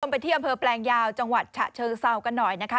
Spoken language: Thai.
ไปที่อำเภอแปลงยาวจังหวัดฉะเชิงเซากันหน่อยนะคะ